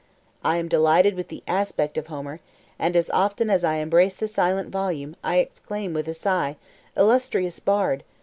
I am delighted with the aspect of Homer; and as often as I embrace the silent volume, I exclaim with a sigh, Illustrious bard!